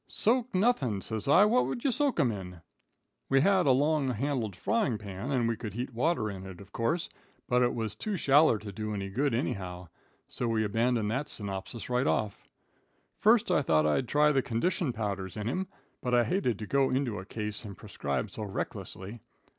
'Soak nuthin',' says I; 'what would ye soak 'em in?' We had a long handle frying pan, and we could heat water in it, of course, but it was too shaller to do any good, anyhow; so we abandoned that synopsis right off. First I thought I'd try the condition powders in him, but I hated to go into a case and prescribe so recklessly.